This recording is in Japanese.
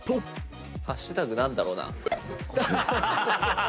ハッシュタグ何だろうな？